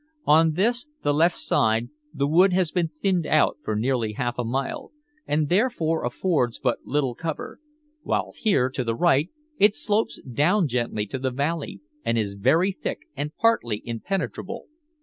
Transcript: On this, the left side, the wood has been thinned out for nearly half a mile, and therefore affords but little cover, while here, to the right, it slopes down gently to the valley and is very thick and partly impenetrable.